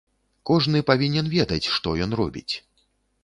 Кожны павінен ведаць, што ён робіць.